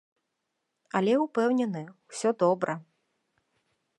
Але ўпэўнены, усё добра.